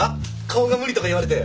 顔が無理とか言われて。